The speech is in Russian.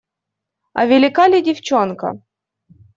А велика ли девчонка?